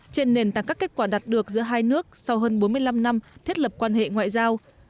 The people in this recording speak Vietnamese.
trên nền tảng các kết quả đạt được giữa hai nước sau hơn bốn mươi năm năm thiết lập quan hệ ngoại giao